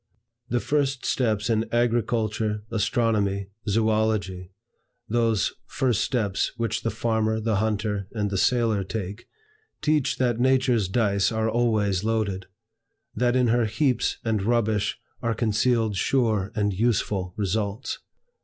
The first steps in Agriculture, Astronomy, Zoölogy, (those first steps which the farmer, the hunter, and the sailor take,) teach that nature's dice are always loaded; that in her heaps and rubbish are concealed sure and useful results.